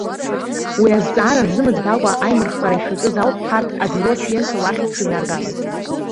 Уи азҵаара рзымыӡбакәа аимырххара ишаҿыз ауп, ҳарҭ абиуро ачленцәа уахь ҳшыҩнаргалаз.